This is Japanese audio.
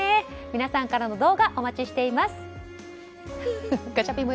皆さんからの動画お待ちしています。